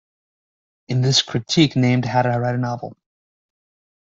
In this critique, named How to Write a Novel!